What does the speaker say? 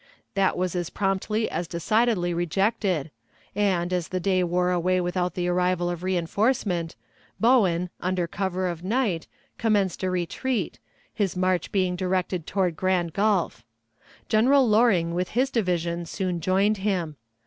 That was as promptly as decidedly rejected, and, as the day wore away without the arrival of reënforcement, Bowen, under cover of night, commenced a retreat, his march being directed toward Grand Gulf. General Loring with his division soon joined him.